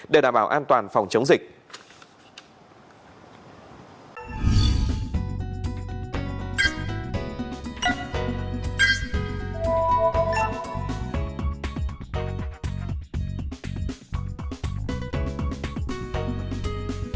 để đảm bảo an toàn phòng chống dịch